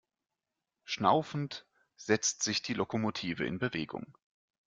Schnaufend setzt sich die Lokomotive in Bewegung.